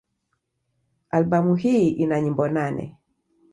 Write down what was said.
Albamu hii ina nyimbo nane.